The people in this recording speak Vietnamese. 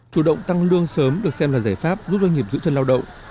chủ động tăng lương sớm được xem là giải pháp giúp doanh nghiệp giữ chân lao động